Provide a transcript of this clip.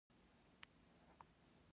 د کاهو پاڼې د خوب لپاره وکاروئ